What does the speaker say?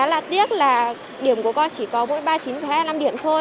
khá là tiếc là điểm của con chỉ có mỗi ba mươi chín hai mươi năm điểm thôi